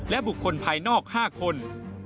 และบุคคลภายนอก๕คน